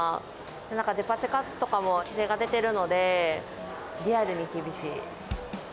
なんか、デパ地下とかも規制が出てるので、リアルに厳しい。